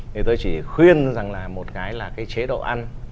thì tôi chỉ khuyên rằng là một cái là cái chế độ ăn